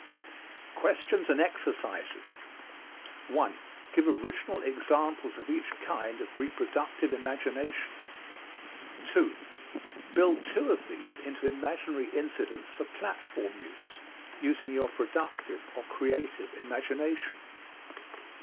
QUESTIONS AND EXERCISES 1. Give original examples of each kind of reproductive imagination. 2. Build two of these into imaginary incidents for platform use, using your productive, or creative, imagination.